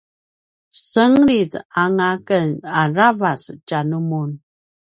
senglit anga ken aravac tja numun